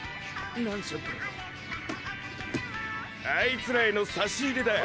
あいつらへの差し入れだ。